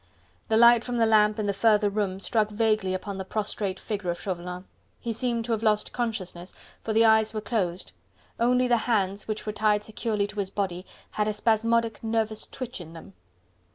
The light from the lamp in the further room struck vaguely upon the prostrate figure of Chauvelin. He seemed to have lost consciousness, for the eyes were closed, only the hands, which were tied securely to his body, had a spasmodic, nervous twitch in them.